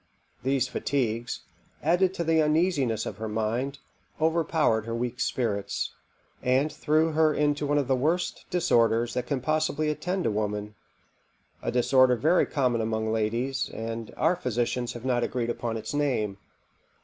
These fatigues, added to the uneasiness of her mind, overpowered her weak spirits, and threw her into one of the worst disorders that can possibly attend a woman; a disorder very common among the ladies, and our physicians have not agreed upon its name.